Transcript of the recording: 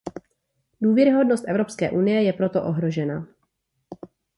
Důvěryhodnost Evropské unie je proto ohrožena.